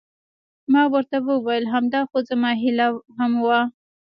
ما ورته وویل: همدا خو زما هیله هم وه.